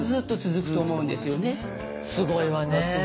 すごいわね。